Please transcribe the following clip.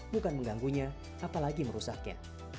bukan mengganggunya apalagi merusaknya